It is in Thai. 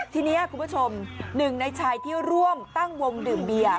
ทีนี้คุณผู้ชมหนึ่งในชายที่ร่วมตั้งวงดื่มเบียร์